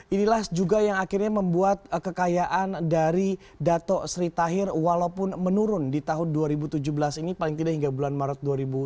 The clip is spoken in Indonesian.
inilah juga yang akhirnya membuat kekayaan dari dato sri tahir walaupun menurun di tahun dua ribu tujuh belas ini paling tidak hingga bulan maret dua ribu tujuh belas